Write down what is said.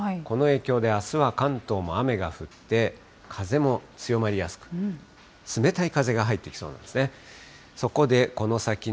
この影響で、あすは関東も雨が降って、風も強まりやすく、冷たい風が入ってきそうなんですね。